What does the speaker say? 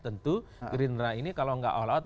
tentu gerindra ini kalau nggak all out